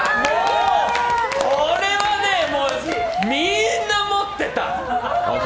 これはね、みんな持ってた。